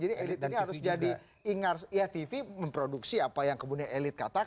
jadi elit ini harus jadi ingat